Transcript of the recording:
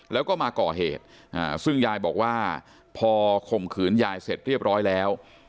แล้วก็มาก่อเหตุซึ่งยายบอกว่าพอข่มขืนยายเสร็จเรียบร้อยแล้ว